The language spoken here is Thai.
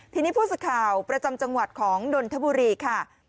ทีนี้ผู้สื่อข่าวประจำจังหวัดของนนทบุรีค่ะ